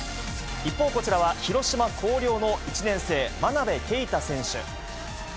一方こちらは、広島・広陵の１年生、真鍋慧選手。